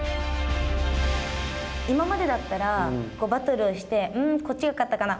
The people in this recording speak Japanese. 今までだったらバトルをしてこっちが勝ったかな？